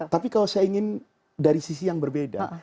tapi kalau saya ingin dari sisi yang berbeda